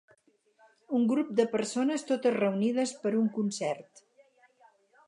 Un grup de persones totes reunides per un concert.